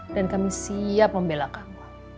dan kami siap membela kamu